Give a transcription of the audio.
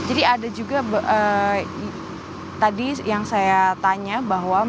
jadi ada juga tadi yang saya tanya bahwa mereka